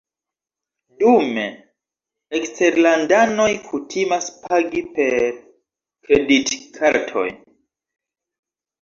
Dume eksterlandanoj kutimas pagi per kreditkartoj.